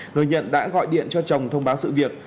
người nhận đã gọi điện cho chồng thông báo sự việc